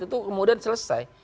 itu kemudian selesai